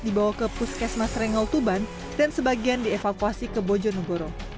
dibawa ke puskesmas rengel tuban dan sebagian dievakuasi ke bojonegoro